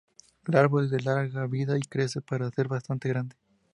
El árbol es de larga vida y crece para ser bastante grande.